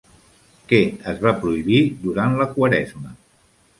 Què es va prohibir durant la Quaresma?